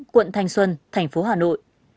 quận thành xuân thành phố hà nội